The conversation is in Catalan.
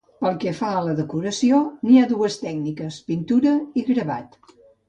Pel que fa a la decoració, n'hi ha dues tècniques: pintura i gravat.